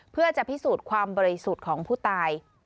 เพื่อจะพิสูจน์ความบริสุทธิ์ของผู้ตาย